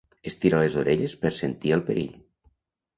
Estira les orelles per sentir el perill.